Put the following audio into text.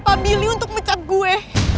nyua pavili untuk mecat gue